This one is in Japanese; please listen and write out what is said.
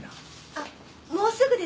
あっもうすぐです。